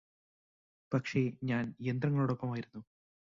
പക്ഷേ ഞാന് യന്ത്രങ്ങളോടെപ്പമായിരുന്നു